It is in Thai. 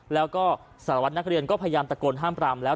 แล้วก็สารวัตรนักเรียนก็พยายามตะโกนห้ามปรามแล้ว